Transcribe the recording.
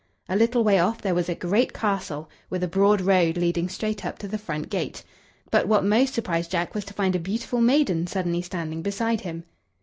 A little way off there was a great castle, with a broad road leading straight up to the front gate. But what most surprised Jack was to find a beautiful maiden suddenly standing beside him.